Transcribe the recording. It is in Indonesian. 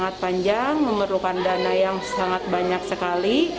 memiliki kepanjangan panjang memerlukan dana yang sangat banyak sekali